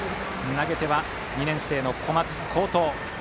投げては２年生の小松、好投。